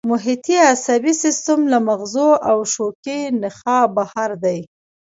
محیطي عصبي سیستم له مغزو او شوکي نخاع بهر دی